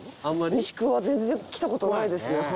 あんまり？全然来たことないですね。